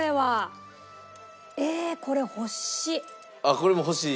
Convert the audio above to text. これも欲しい？